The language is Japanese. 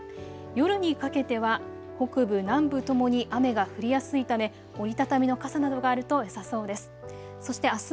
夜にかけては北部、南部ともに雨が降りやすいため折り畳みの傘などがあるとよさそうです。